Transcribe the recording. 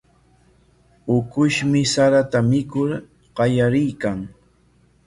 Ukushmi sarata mikur qallariykan.